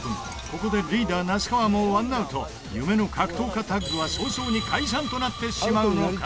ここで、リーダー・那須川もワンアウト夢の格闘家タッグは早々に解散となってしまうのか